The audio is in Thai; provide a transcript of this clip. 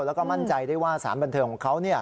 แล้วก็มั่นใจได้ว่าสารบันเทิงของเขา